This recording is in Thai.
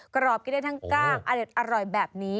กรอบกินได้ทั้งกล้างอเด็ดอร่อยแบบนี้